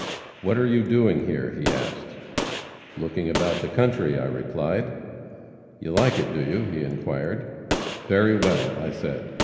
'What are you doing here?' he asked. 'Looking about the country,' I replied. 'You like it, do you?' he inquired. 'Very well,' I said.